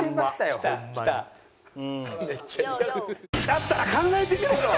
だったら考えてみろよ！